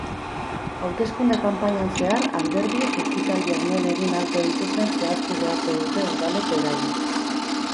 Hauteskunde-kanpainan zehar alderdiek ekitaldiak non egin ahalko dituzten zehaztu beharko dute udalek orain.